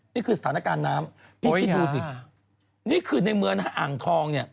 นี่คือสถานการณ์น้ำพี่คิดดูสินี่คือในเมืองฮะอ่างทองเนี่ย